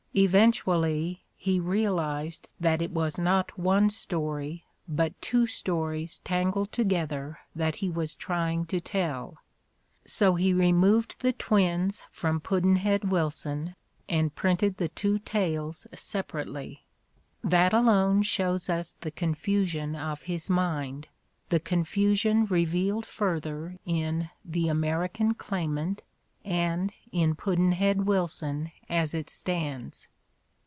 Eventually, he realized that it was "not one story but two stories tangled together" that he was trying to tell, so he removed the twins from "Pudd'nhead Wilson" and printed the two tales sepa rately. That alone shows us the confusion of his mind, the confusion revealed further in "The American Claimant" and in "Pudd'nhead Wilson" as it stands.